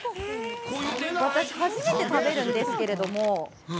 私、初めて食べるんですけれども。